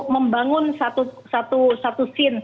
membangun satu scene